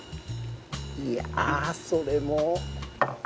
いやそれも。